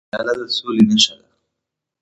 پیاله د سولې نښه ده.